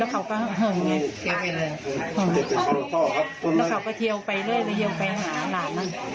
แล้วเขาก็เหิงไงแล้วเขาก็เทียวไปเลยเทียวไปหาหลานนั้น